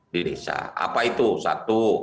di desa apa itu satu